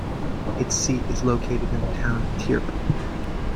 Its seat is located in the town of Tierp.